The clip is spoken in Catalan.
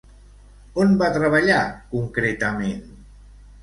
On va treballar concretament?